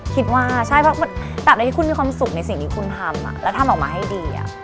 คิดว่าคุณมีความสุขในสิ่งที่คุณทำแล้วทำออกมาให้ดีอะ